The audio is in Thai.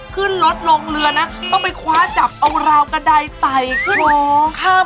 ขึ้นรถลงเรือนะต้องไปคว้าจับเอาราวกระดายไต่ขึ้นมองข้าม